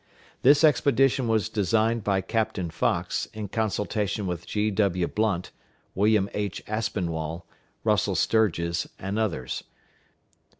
This expedition was designed by Captain Fox, in consultation with G.W. Blunt, William H. Aspinwall, Russel Sturges, and others.